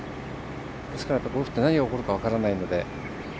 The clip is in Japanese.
ですからゴルフって何が起こるか分からないので。